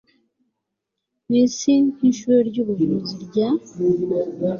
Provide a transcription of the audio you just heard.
ku isi nk'ishuri ry'ubuvuzi rya